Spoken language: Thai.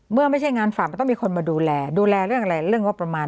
ไม่ใช่งานฝากมันต้องมีคนมาดูแลดูแลเรื่องอะไรเรื่องงบประมาณ